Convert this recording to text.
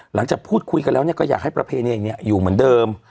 หลังจากพูดคุยกันแล้วเนี้ยก็อยากให้ประเพณีเองเนี้ยอยู่เหมือนเดิม